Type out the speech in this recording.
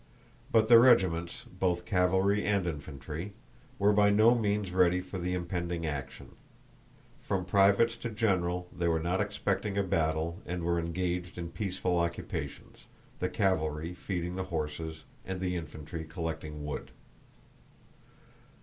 But the regiments, both cavalry and infantry, were by no means ready for the impending action. From privates to general they were not expecting a battle and were engaged in peaceful occupations, the cavalry feeding the horses and the infantry collecting wood.